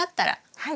はい。